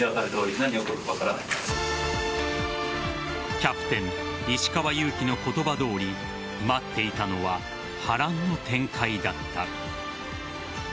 キャプテン・石川祐希の言葉どおり待っていたのは波乱の展開だった。